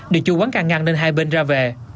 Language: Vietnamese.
để chù quán càng ngăn lên hai bên ra về